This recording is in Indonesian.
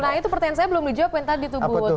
nah itu pertanyaan saya belum dijawabin tadi tuh bud